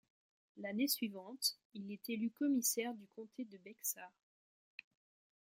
L'année suivante, il est élu commissaire du comté de Bexar.